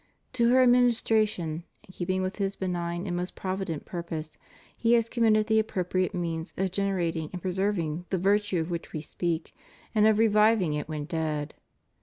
To her administration, in keeping with His benign and most provident purpose, fle has committed the appropriate means of generating and preserving the virtue of which We speak, and of reviving it when dead.